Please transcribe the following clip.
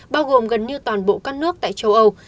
bao gồm gần như toàn bộ các nước tại châu âu